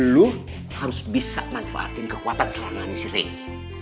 lo harus bisa manfaatin kekuatan serangan si rengi